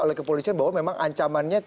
oleh kepolisian bahwa memang ancamannya